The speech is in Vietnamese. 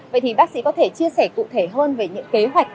vậy thì bác sĩ có thể chia sẻ cụ thể hơn về những kế hoạch